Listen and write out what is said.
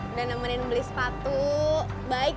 udah nemenin beli sepatu baik